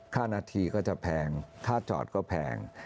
ค่านาทีก็จะแพงค่าจอดก็แพง